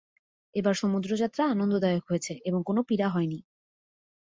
এবার সমুদ্রযাত্রা আনন্দদায়ক হয়েছে এবং কোন পীড়া হয়নি।